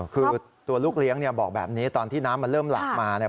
คือตัวลูกเลี้ยงเนี่ยบอกแบบนี้ตอนที่น้ำมันเริ่มหลากมาเนี่ย